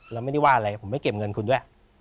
แล้วไม่ได้ว่าอะไรผมไม่เก็บเงินคุณด้วย